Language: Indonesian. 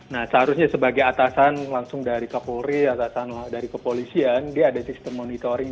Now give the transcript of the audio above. nah seharusnya sebagai atasan langsung dari kapolri atasan dari kepolisian dia ada sistem monitoring